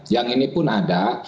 yang ini pun ada